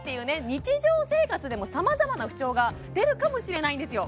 日常生活でもさまざまな不調が出るかもしれないんですよ